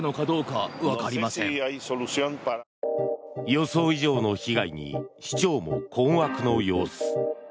予想以上の被害に市長も困惑の様子。